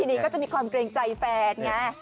ทีนี้ก็จะมีความเกรงใจแฟนไง